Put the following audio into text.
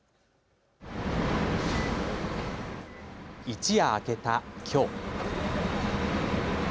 一夜明けたきょう。